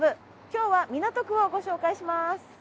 今日は港区をご紹介します。